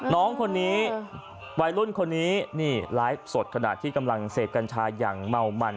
น้องคนนี้วัยรุ่นคนนี้นี่ไลฟ์สดขณะที่กำลังเสพกัญชาอย่างเมามัน